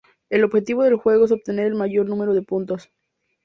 El objetivo del juego es obtener el mayor número de puntos.